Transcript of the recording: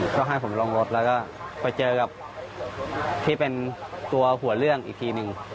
ก็ให้ผมลงรถแล้วก็ไปเจอกับที่เป็นตัวหัวเรื่องอีกทีหนึ่ง